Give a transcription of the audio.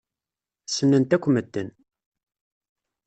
Ssnen-t akk medden.